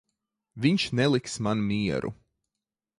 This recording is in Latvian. Viņš neliks man mieru.